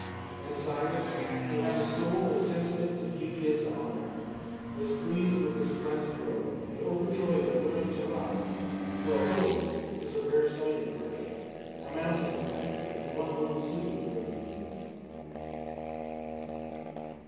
And Cyrus, who had a soul as sensitive to beauty as to honour, was pleased with the splendid robe, and overjoyed at learning to ride, for a horse is a rare sight in Persia, a mountainous country, and one little suited to the breed.